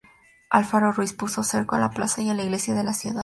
Alfaro Ruiz puso cerco a la plaza y a la iglesia de la ciudad.